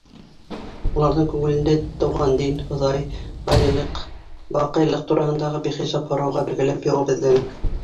Уларҙың күңелендә тыуған дин, Хоҙай, фанилыҡ, баҡыйлыҡ тураһындағы бихисап һорауға бергәләп яуап эҙләнек.